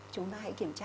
chúng ta hãy kiểm tra